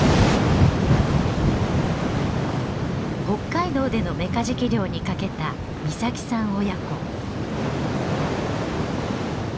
北海道でのメカジキ漁に賭けた岬さん親子。